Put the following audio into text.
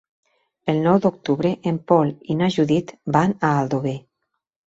El nou d'octubre en Pol i na Judit van a Aldover.